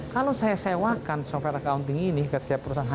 kalau saya sewakan software accounting ini ke setiap perusahaan